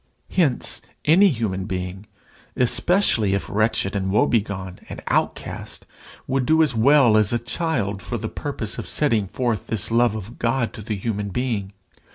Hence, any human being, especially if wretched and woe begone and outcast, would do as well as a child for the purpose of setting forth this love of God to the human being.